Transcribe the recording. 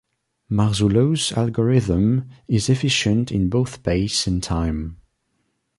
Marzullo's algorithm is efficient in both space and time.